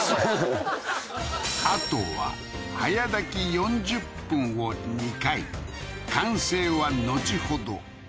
あとは早炊き４０分を２回完成は後ほど